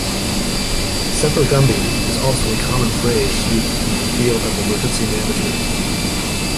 "Semper Gumby" is also a common phrase used in the field of emergency management.